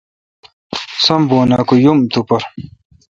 سم بونہ کہ یم تو پر۔